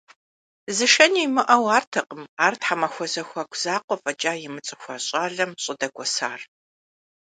Зышэни имыӏэу артэкъым ар тхьэмахуэ зэхуаку закъуэ фӏэкӏа имыцӏыхуа щӏалэм щӏыдэкӏуэсар.